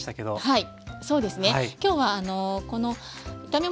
はい。